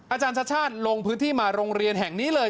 อาจารย์ชาติชาติลงพื้นที่มาโรงเรียนแห่งนี้เลย